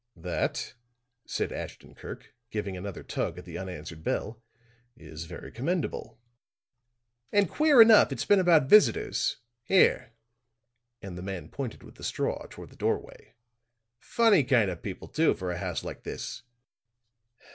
"That," said Ashton Kirk, giving another tug at the unanswered bell, "is very commendable." "And queer enough, it's been about visitors here," and the man pointed with the straw toward the doorway. "Funny kind of people too, for a house like this."